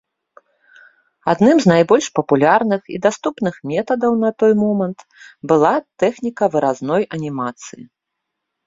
Адным з найбольш папулярных і даступных метадаў на той момант была тэхніка выразной анімацыі.